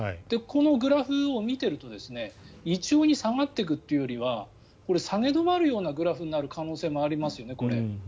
このグラフを見ていると一様に下がっていくというよりは下げ止まるようなグラフになる可能性もありますよね。